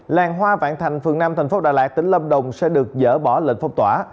làng hoa vạn thành phường năm thành phố đà lạt tỉnh lâm đồng sẽ được dỡ bỏ lệnh phong tỏa